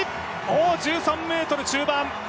１３ｍ中盤。